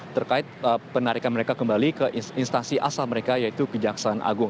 terkait penarikan mereka kembali ke instansi asal mereka yaitu kejaksaan agung